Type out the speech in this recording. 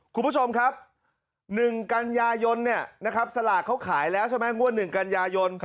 คุณผู้ชมครับ๑กันยายนสลากเขาขายแล้วใช่ไหมงวด๑กันยายน